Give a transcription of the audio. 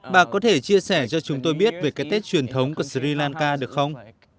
bà có thể chia sẻ cho chúng tôi biết về cái tết truyền thống của sri lanka được không